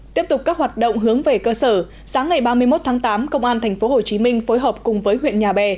tiếp tục các hoạt động hướng về cơ sở sáng ngày ba mươi một tháng tám công an tp hcm phối hợp cùng với huyện nhà bè